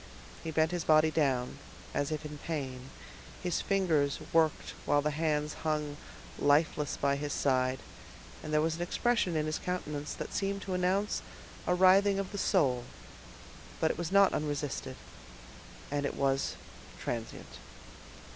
He bent his body down, as if in pain, his fingers worked while the hands hung lifeless by his side, and there was an expression in his countenance that seemed to announce a writhing of the soul; but it was not unresisted, and it was transient.